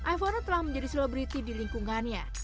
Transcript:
iphone telah menjadi selebriti di lingkungannya